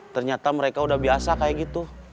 ternyata mereka udah biasa kayak gitu